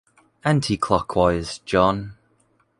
Anti-clockwise, John.